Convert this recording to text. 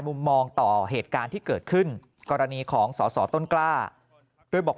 มุมมองต่อเหตุการณ์ที่เกิดขึ้นกรณีของสอสอต้นกล้าโดยบอก